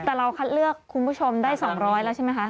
แต่เราคัดเลือกคุณผู้ชมได้๒๐๐แล้วใช่ไหมคะ